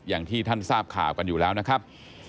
อย่างที่ท่านทราบข่าวกันอยู่แล้วนะครับ